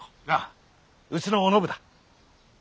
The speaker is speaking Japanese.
ああうちのお信だ。